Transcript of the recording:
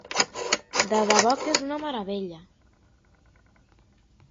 De debò que és una meravella.